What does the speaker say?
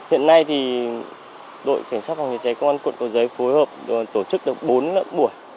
hiện nay thì đội cảnh sát phòng cháy cháy công an quận cầu giấy phối hợp tổ chức được bốn lớp buổi